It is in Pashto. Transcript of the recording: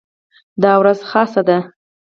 دا ورځ خاصه ده.